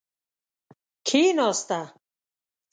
کیناسته.